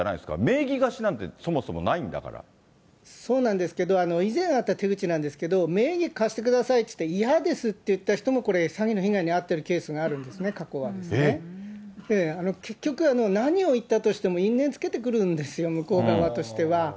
名義貸しなんてそもそもないんだそうなんですけど、以前あった手口なんですけど、名義貸してくださいって言って、嫌ですって言った人もこれ、詐欺の被害に遭ってるケースがあるんですね、過えっ？結局、何を言ったとしても、因縁つけてくるんですよ、向こう側としては。